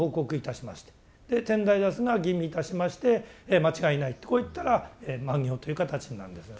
で天台座主が吟味いたしまして間違いないとこう言ったら満行という形になるんです。